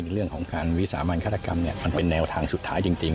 เรื่องของการวิสามันฆาตกรรมมันเป็นแนวทางสุดท้ายจริง